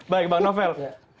baik bang novel